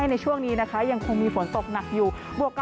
ส่วนในระยะนี้หลายพื้นที่ยังคงพบเจอฝนตกหนักได้ค่ะ